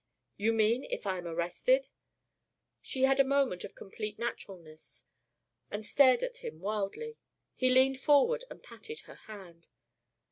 "You mean if I am arrested?" She had a moment of complete naturalness, and stared at him wildly. He leaned forward and patted her hand.